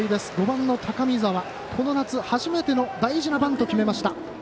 ５番、高見澤がこの夏、初めての大事なバントを決めました。